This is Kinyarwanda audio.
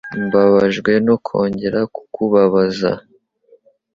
Mbabajwe no kongera kukubabaza.